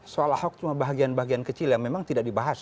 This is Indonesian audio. soal ahok cuma bagian bagian kecil yang memang tidak dibahas